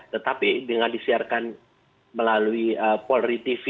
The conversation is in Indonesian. tetapi dengan disiarkan melalui polri tv